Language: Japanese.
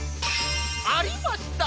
ありました！